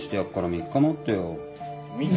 ３日！？